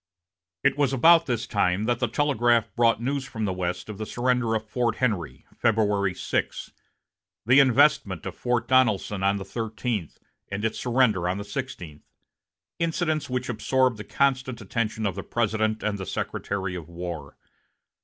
It was about this time that the telegraph brought news from the West of the surrender of Fort Henry, February 6, the investment of Fort Donelson on the thirteenth, and its surrender on the sixteenth, incidents which absorbed the constant attention of the President and the Secretary of War.